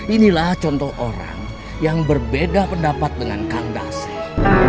inilah contoh orang yang berbeda pendapat dengan kang dasir